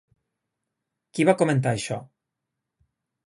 Qui va comentar això?